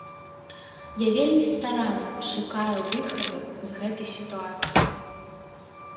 Я вельмі старанна шукаю выхады з гэтай сітуацыі.